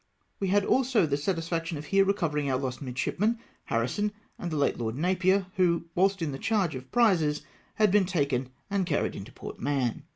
We had also the satisfaction of here recovering our lost midshipmen, Harrison, and the late Lord Napier, Avho, whilst in charge of prizes, had been taken and carried into Port Mahon.